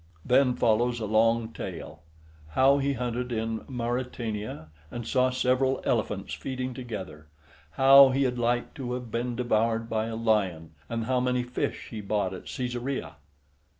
Then follows a long tale, "how he hunted in Mauritania, and saw several elephants feeding together; how he had like to have been devoured by a lion; and how many fish he bought at Caesarea."